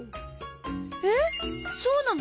えっそうなの？